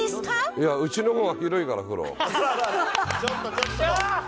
いや、うちのほうが広いから、風呂。